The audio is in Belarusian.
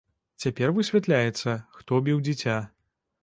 Цяпер высвятляецца, хто біў дзіця.